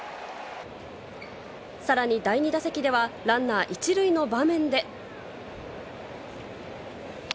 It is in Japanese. さらに第２打席では、ランナー１塁の場面で。